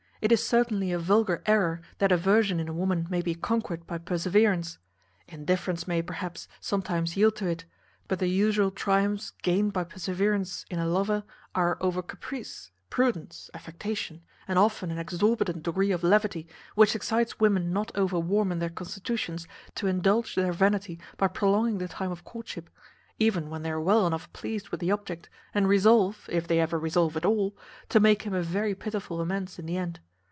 It is certainly a vulgar error, that aversion in a woman may be conquered by perseverance. Indifference may, perhaps, sometimes yield to it; but the usual triumphs gained by perseverance in a lover are over caprice, prudence, affectation, and often an exorbitant degree of levity, which excites women not over warm in their constitutions to indulge their vanity by prolonging the time of courtship, even when they are well enough pleased with the object, and resolve (if they ever resolve at all) to make him a very pitiful amends in the end.